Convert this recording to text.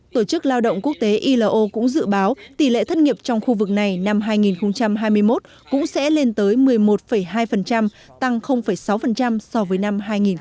tổ chức lao động quốc tế ilo cũng dự báo tỷ lệ thất nghiệp trong khu vực này năm hai nghìn hai mươi một cũng sẽ lên tới một mươi một hai tăng sáu so với năm hai nghìn hai mươi hai